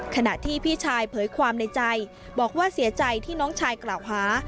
ขณะที่พี่ชายเผยความในใจบอกว่าเสียใจที่น้องชายกล่าวหา